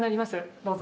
どうぞ。